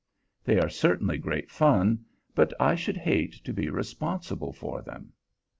They are certainly great fun, but I should hate to be responsible for them.